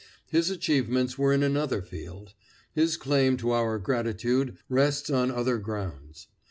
His achievements were in another field. His claim to our gratitude rests on other grounds.